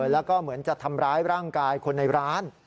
แล้วก็เหมือนจะทำร้ายร่างกายคนในร้าน